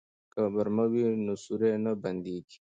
که برمه وي نو سوري نه بنديږي.